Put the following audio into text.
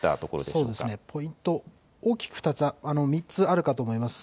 そうですね、ポイント大きく３つあるかと思います。